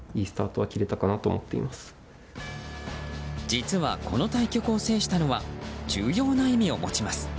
実はこの対局を制したのは重要な意味を持ちます。